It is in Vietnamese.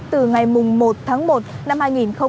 từ ngày một tháng một năm hai nghìn hai mươi